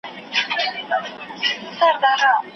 شیخه زما یې ژبه حق ویلو ته تراشلې ده